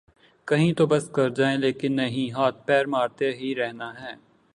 کہیں تو بس کر جائیں لیکن نہیں ‘ ہاتھ پیر مارتے ہی رہنا ہے۔